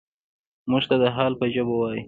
موږ ته د حال په ژبه وايي.